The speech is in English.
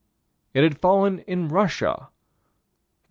It had fallen in Russia (_Bull.